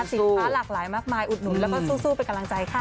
สินค้าหลากหลายมากมายอุดหนุนแล้วก็สู้เป็นกำลังใจค่ะ